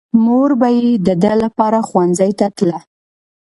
مور به يې د ده لپاره ښوونځي ته تله.